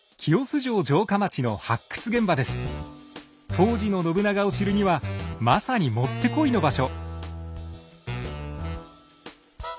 当時の信長を知るにはまさにもってこいの場所。